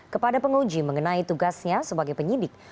kepada penguji mengenai tugasnya sebagai penyidik